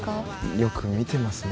よく見てますね。